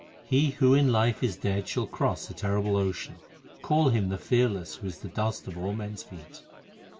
He who in life is dead Shall cross the terrible ocean. Call him the fearless Who is the dust of all men s feet.